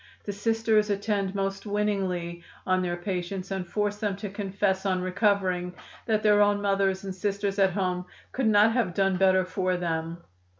The Sisters attend most winningly on their patients and force them to confess on recovering that their own mothers and sisters at home could not have done better for them.